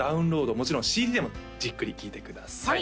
もちろんＣＤでもじっくり聴いてください